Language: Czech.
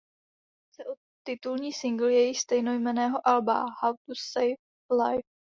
Jedná se o titulní singl jejich stejnojmenného alba How to Save a Life.